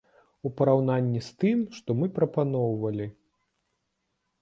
У параўнанні з тым, што мы прапаноўвалі.